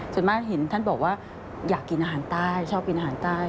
ส่วนมากเห็นท่านบอกว่าอยากกินอาหารใต้ชอบกินอาหารใต้